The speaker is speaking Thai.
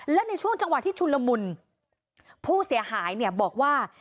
และในช่วงจังหวะที่ชุนละมุนผู้เสียหายเนี่ยบอกว่า